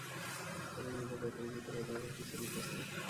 তরুণ যুবক অপরিচিত পথে একাকী চলিতেছে!